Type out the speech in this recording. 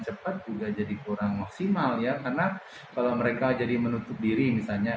sementara orang di luar tidak tahu ini status keluarganya